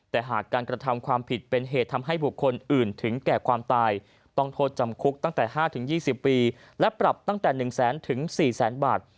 แต่หากการกระทำความผิดเป็นเหตุทำให้บุคคลอื่นถึงแก่ความตายต้องโทษจำคุกตั้งแต่๕๒๐ปีและปรับตั้งแต่๑แสนถึง๔แสนบาท